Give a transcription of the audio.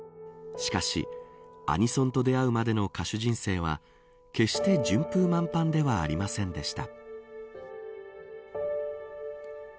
しかし、アニソンと出会うまでの歌手人生は決して順風満帆ではありませんでした。